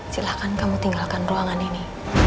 silahkan kamu tinggalkan ruangan ini